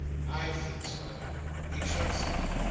I think so. We shall see."